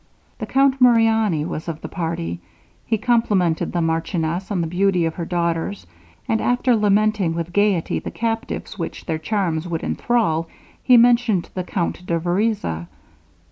The Count Muriani was of the party; he complimented the marchioness on the beauty of her daughters; and after lamenting with gaiety the captives which their charms would enthral, he mentioned the Count de Vereza.